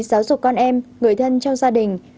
giáo dục con em người thân trong gia đình